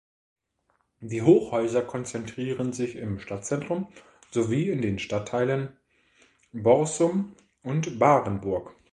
Die Hochhäuser konzentrieren sich im Stadtzentrum sowie in den Stadtteilen Borssum und Barenburg.